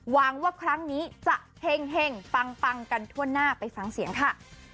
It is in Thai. หวังว่าครั้งนี้จะเห็งปังกันทั่วหน้าไปฟังเสียงค่ะ